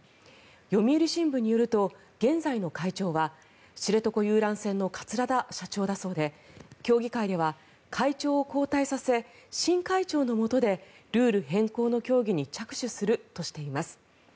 読売新聞によると、現在の会長は知床遊覧船の桂田社長のようで協議会では会長を交代させ新会長のもとでルール変更の協議に着手するとしています。